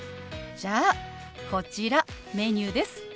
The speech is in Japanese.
じゃあこちらメニューです。